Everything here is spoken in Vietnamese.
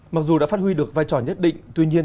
mặc dù đã phát huy được vai trò nhất định tuy nhiên